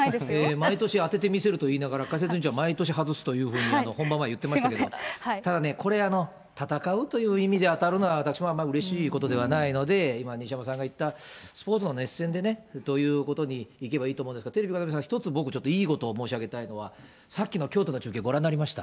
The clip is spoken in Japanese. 毎年、当ててみせると言いながら、解説委員長、毎年はずすというふうに本番前言ってましたけど、ただこれね、戦うという意味で当たるのは私もあんまうれしいことではないので、今、西山さんが言った、スポーツの熱戦でということにいけばいいと思いますが、テレビご覧の皆さん、僕１ついいことを申し上げたいのは、さっきの京都の中継ご覧になりました？